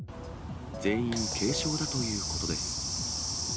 全員、軽傷だということです。